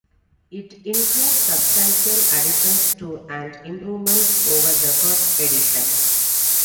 It includes substantial additions to and improvements over the first edition.